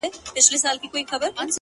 د تل لپاره”